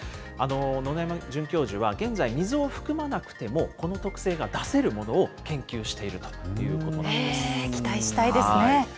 野々山准教授は、現在、水を含まなくてもこの特性が出せるものを研究しているということ期待したいですね。